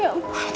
ya ampun tante